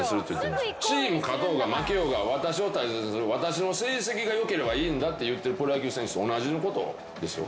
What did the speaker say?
チーム勝とうが負けようが私を大切にする私の成績が良ければいいんだって言ってるプロ野球選手と同じのことですよ。